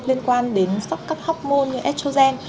liên quan đến các hormone như estrogen